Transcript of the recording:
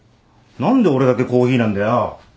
何で俺だけコーヒーなんだよ。